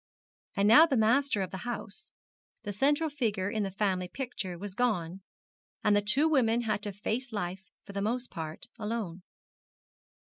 And now the master of the house, the central figure in the family picture, was gone, and the two women had to face life for the most part alone.